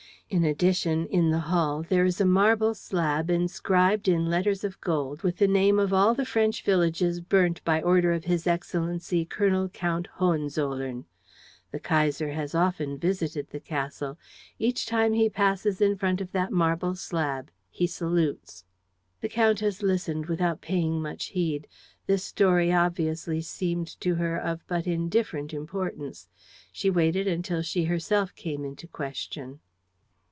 In addition, in the hall there is a marble slab inscribed in letters of gold with the name of all the French villages burnt by order of His Excellency Colonel Count Hohenzollern. The Kaiser has often visited the castle. Each time he passes in front of that marble slab he salutes." The countess listened without paying much heed. This story obviously seemed to her of but indifferent importance. She waited until she herself came into question.